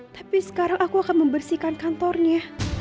tapi sekarang aku akan membersihkan kantornya